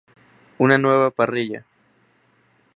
Una nueva parrilla.